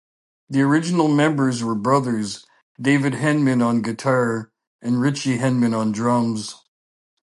The original members were brothers David Henman on guitar and Ritchie Henman on drums.